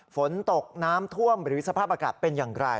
ฝนตกน้ำท่วมหรือสภาพอากาศเป็นอย่างไร